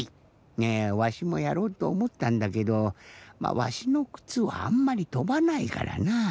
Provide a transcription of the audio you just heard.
わしもやろうとおもったんだけどわしのくつはあんまりとばないからなぁ。